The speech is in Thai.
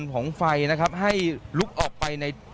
ของไฟนะครับให้ลุกออกไปใน